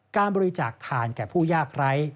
การบริจาคทานแก่ผู้ยากไร้